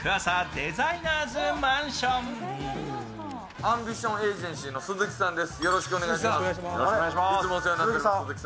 アンビションエージェンシーの鈴木さんです。